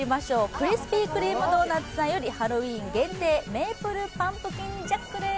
クリスピー・クリーム・ドーナツさんよりハロウィーン限定メープルパンプキンジャックです。